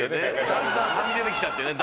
だんだんはみ出てきちゃってね。